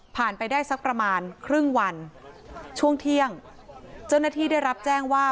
ไปได้สักประมาณครึ่งวันช่วงเที่ยงเจ้าหน้าที่ได้รับแจ้งว่า